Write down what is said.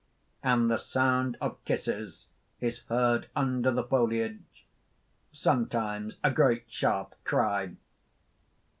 _ _And the sound of kisses is heard under the foliage, sometimes a great sharp cry.